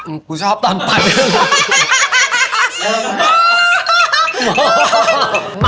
อื้มกูชอบตอนต่อเรื่องนี้